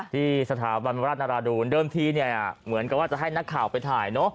ที่สถาบันราชนาราดูนเดิมทีเนี่ยเหมือนกับว่าจะให้นักข่าวไปถ่ายเนอะ